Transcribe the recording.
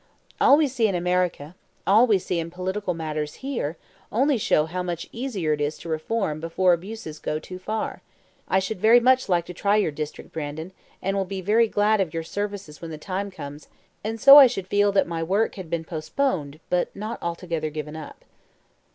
All we see in America, all we see in political matters here, only show how much easier it is to reform before abuses go too far. I should very much like to try your district, Brandon, and will be very glad of your services when the time comes; and so I should feel that my work had been postponed, but not altogether given up."